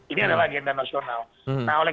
ini adalah agenda nasional nah oleh